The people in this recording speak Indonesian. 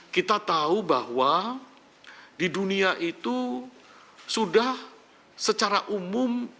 kita tahu bahwa di dunia itu sudah secara umum